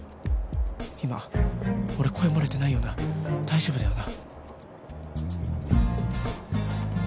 今俺声漏れてないよな大丈夫だよな